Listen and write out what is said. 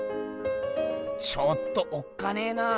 ちょっとおっかねえなあ。